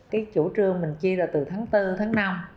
cái chủ trương mình chia ra từ tháng bốn tháng năm